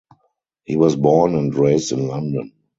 He was born and raised in London.